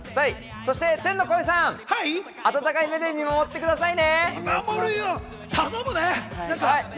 そして天の声さん、温かい目で見守ってくださいね。